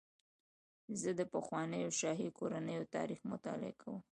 زه د پخوانیو شاهي کورنیو تاریخ مطالعه کوم.